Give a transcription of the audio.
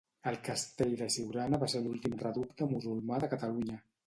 El castell de Siurana va ser l'últim reducte musulmà de Catalunya.